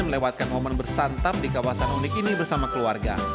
melewatkan momen bersantap di kawasan unik ini bersama keluarga